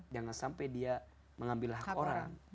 jangan sampai dia mengambil hak orang